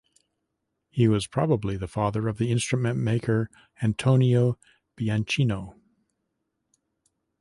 He was probably the father of the instrument maker Antonio Bianchino.